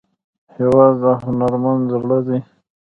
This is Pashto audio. هېواد د هنرمند زړه دی.